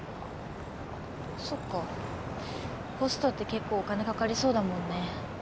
そっかホストって結構お金かかりそうだもんね。